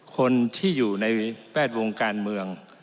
คนที่อยู่ในแวดวงการเมือง